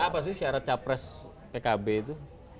apa sih syarat capres pkb itu